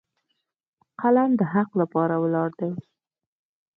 قلم د حق لپاره ولاړ دی